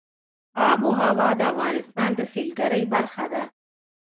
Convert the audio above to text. آب وهوا د افغانستان د سیلګرۍ برخه ده.